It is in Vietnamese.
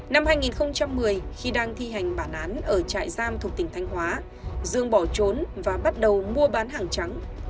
năm hai nghìn một mươi khi đang thi hành bản án ở trại giam thuộc tỉnh thanh hóa dương bỏ trốn và bắt đầu mua bán hàng trắng